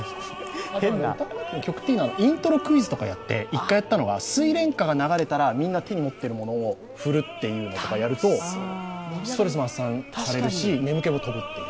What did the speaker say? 曲とかのイントロクイズとかやって一回やったのは、「睡蓮花」が流れたら、みんな手に持っているものを振るというのをやるとストレス発散されるし眠気も飛ぶっていう。